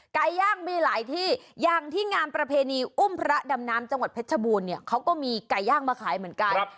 ไก่ย่างมีหลายที่อย่างที่งานประเพณีอุ้มพระดำน้ำจังหวัดเพชรบูรณ์เนี่ยเขาก็มีไก่ย่างมาขายเหมือนกัน